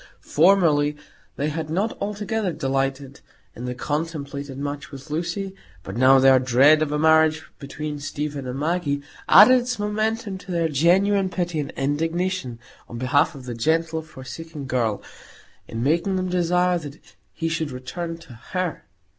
Formerly they had not altogether delighted in the contemplated match with Lucy, but now their dread of a marriage between Stephen and Maggie added its momentum to their genuine pity and indignation on behalf of the gentle forsaken girl, in making them desire that he should return to her.